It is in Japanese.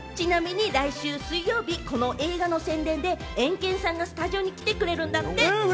来週水曜日、この映画の宣伝でエンケンさんがスタジオに来てくれるんだって！